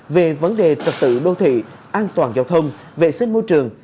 về vấn đề trật tự đô thị an toàn giao thông vệ sinh môi trường